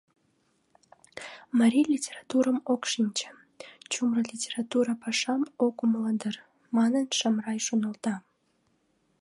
«Марий литературым ок шинче, чумыр литература пашам ок умыло дыр», — манын, Шамрай шоналта.